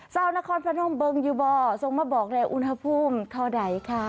เจ้านครพระน้องเบิ้งอยู่บ่ส่งมาบอกแล้วอุณหภูมิเท่าไรคะ